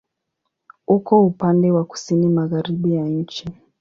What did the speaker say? Uko upande wa kusini-magharibi ya nchi.